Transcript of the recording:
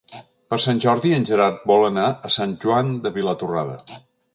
Per Sant Jordi en Gerard vol anar a Sant Joan de Vilatorrada.